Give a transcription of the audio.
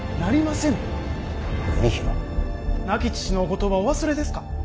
亡き父のお言葉をお忘れですか。